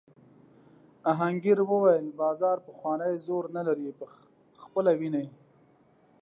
آهنګر وویل بازار پخوانی زور نه لري خپله وینې.